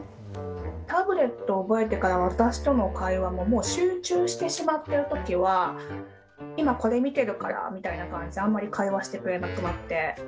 タブレットを覚えてから私との会話ももう集中してしまってる時は今これ見てるからみたいな感じであんまり会話してくれなくなって。